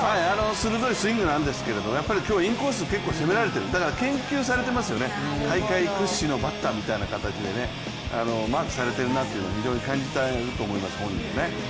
鋭いスイングなんですけどやっぱり今日、インコース結構攻められてる、だから研究されていますよね、大会屈指のバッターみたいな感じでマークされてるなっていうのを非常に感じてると思います本人もね。